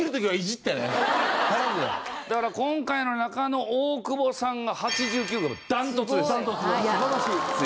だから今回の中の大久保さんが８９断トツです。